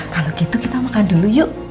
kalau gitu kita makan dulu yuk